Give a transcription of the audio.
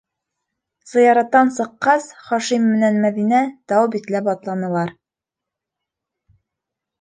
Зыяраттан сыҡҡас, Хашим менән Мәҙинә тау битләп атланылар.